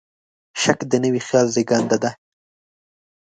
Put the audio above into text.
شک د نوي خیال زېږنده دی.